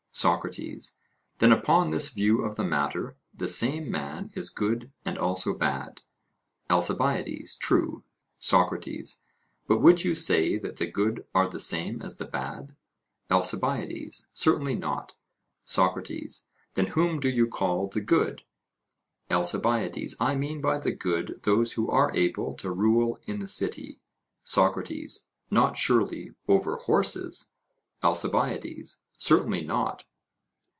SOCRATES: Then upon this view of the matter the same man is good and also bad? ALCIBIADES: True. SOCRATES: But would you say that the good are the same as the bad? ALCIBIADES: Certainly not. SOCRATES: Then whom do you call the good? ALCIBIADES: I mean by the good those who are able to rule in the city. SOCRATES: Not, surely, over horses? ALCIBIADES: Certainly not.